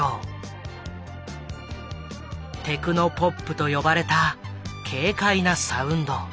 テクノポップと呼ばれた軽快なサウンド。